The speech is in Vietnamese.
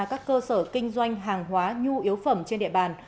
các cơ sở kinh doanh hàng hóa nhu yếu phẩm trên địa bàn